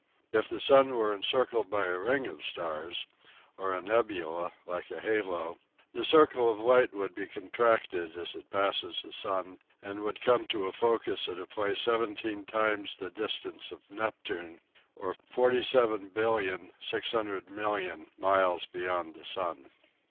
If the sun were en circled by a ring of stars, or a nebula, like a halo, the circle of light would be contracted as it passed the sun and would come to a focus at a place seventeen times the distance of Neptune, or 47,600,000,000 miles be yond the sun.